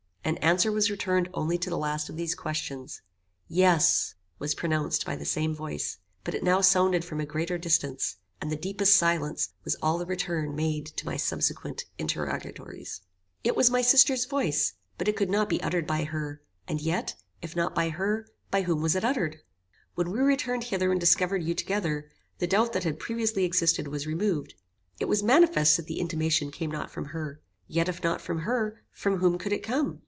An answer was returned only to the last of these questions. "Yes," was pronounced by the same voice; but it now sounded from a greater distance, and the deepest silence was all the return made to my subsequent interrogatories. "It was my sister's voice; but it could not be uttered by her; and yet, if not by her, by whom was it uttered? When we returned hither, and discovered you together, the doubt that had previously existed was removed. It was manifest that the intimation came not from her. Yet if not from her, from whom could it come?